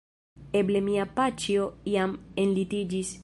Eble mia paĉjo jam enlitiĝis."